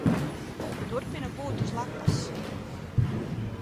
Turpinu būt uz lapas.